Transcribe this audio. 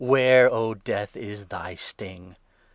Where, O Death, is thy sting